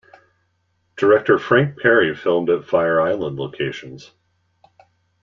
Director Frank Perry filmed at Fire Island locations.